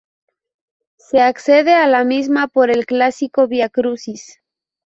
Se accede a la misma por el clásico Vía Crucis.